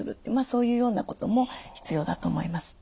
そういうようなことも必要だと思います。